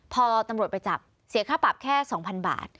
พอตำรวจไปจับเสียค่าปรับแค่๒๐๐บาท